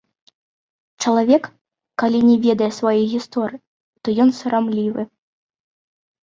Чалавек, калі не ведае сваёй гісторыі, то ён сарамлівы.